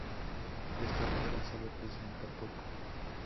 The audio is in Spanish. Esta ópera se representa poco.